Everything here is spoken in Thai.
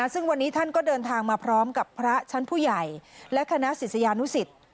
ซึ่งวันนี้ท่านก็เดินทางมาพร้อมกับพระชั้นผู้ใหญ่และคณะศิษยานุสิต